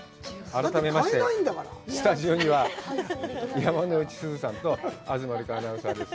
改めまして、スタジオには山之内すずさんと東留伽アナウンサーです。